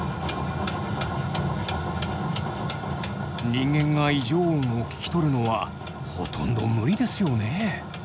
人間が異常音を聞き取るのはほとんど無理ですよね。